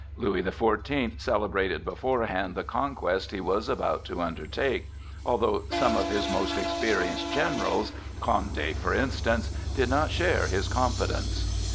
Louis the Fourteenth celebrated beforehand the conquest he was about to undertake, although some of his most experienced generals, Condé for instance, did not share his confidence.